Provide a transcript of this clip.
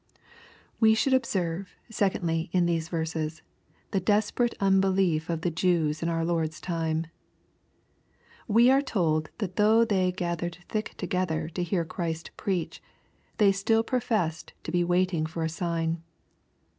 We should observe, secondly, in these verses, the despc' rate unbelief of the Jews in our Lord's time. We are told that though they " gathered thick together" to hear Christ preach, they still professed to be waiting for a sign.